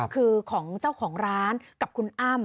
คือของเจ้าของร้านกับคุณอ้ำ